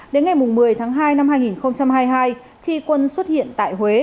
đến ngày một mươi tháng hai năm hai nghìn hai mươi hai khi quân xuất hiện tại huế